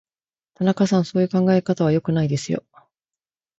田中さん、そういう考え方は良くないですよ。